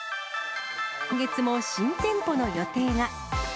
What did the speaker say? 今月も新店舗の予定が。